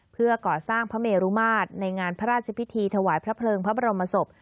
เพื่อก่อสร้างพระเมรุมาตรในงานพระราชพิธีถวายพระเพลิงพระบรมศพ